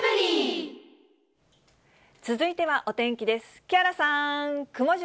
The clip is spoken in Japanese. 続いてはお天気です。